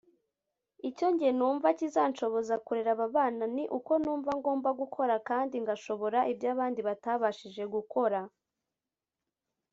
Icyo njye numva kizanshoboza kurera aba bana ni uko numva ngomba gukora kandi ngashobora ibyo abandi batabashije gukora